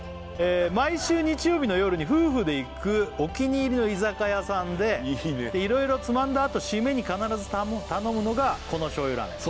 「毎週日曜日の夜に夫婦で行く」「お気に入りの居酒屋さんでいろいろつまんだあと」「シメに必ず頼むのがこの醤油ラーメン」